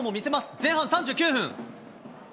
前半３９分。